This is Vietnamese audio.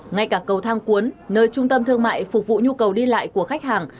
ngay cả cầu thang cuốn nơi trung tâm thương mại phục vụ nhu cầu đi lại của khách hàng